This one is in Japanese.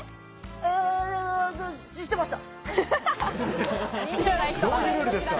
うん、知ってました。